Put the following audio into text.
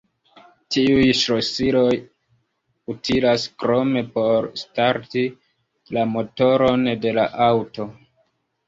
Tiuj ŝlosiloj utilas krome por starti la motoron de la aŭto.